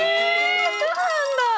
そうなんだ！